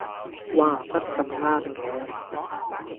嘩，乜咁啱嘅